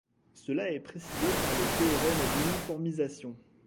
Cela est précisé par le théorème d'uniformisation.